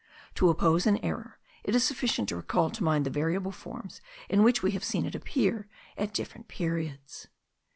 To oppose an error, it is sufficient to recall to mind the variable forms in which we have seen it appear at different periods.